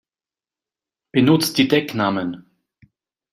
Benutzt die Decknamen!